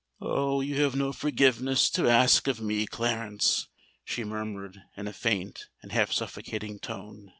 "Oh! you have no forgiveness to ask of me, Clarence," she murmured, in a faint and half suffocating tone.